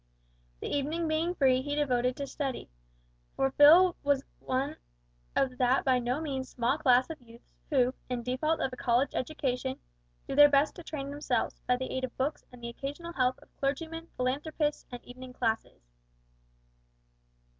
The evening being free he devoted to study for Phil was one of that by no means small class of youths who, in default of a College education, do their best to train themselves, by the aid of books and the occasional help of clergymen, philanthropists, and evening classes.